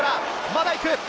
まだ行く。